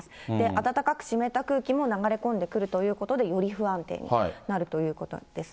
暖かく湿った空気も流れ込んでくるということで、より不安定になるということですね。